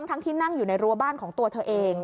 ทั้งที่นั่งอยู่ในรัวบ้านของตัวเธอเอง